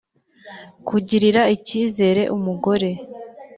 Kugirira ikizere umugore